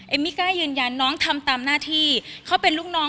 ไม่กล้ายืนยันน้องทำตามหน้าที่เขาเป็นลูกน้อง